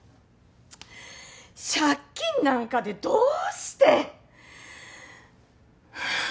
借金なんかでどうして！？ハァ。